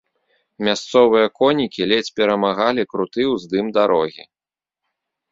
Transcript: Мясцовыя конікі ледзь перамагалі круты ўздым дарогі.